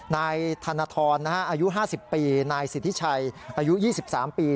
นายธนทรอายุ๕๐ปีนายสิทธิชัยอายุ๒๓ปี